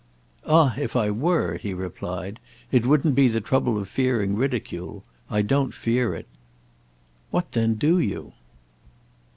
"Ah if I were," he replied, "it wouldn't be the trouble of fearing ridicule. I don't fear it." "What then do you?"